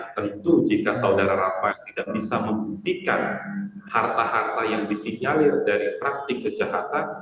tentu jika saudara rafael tidak bisa membuktikan harta harta yang disinyalir dari praktik kejahatan